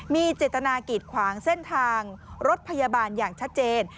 มีเจตนากีดขวางเส้นทางรถพยาบาลอย่างชัดเจน